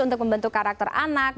untuk membentuk karakter anak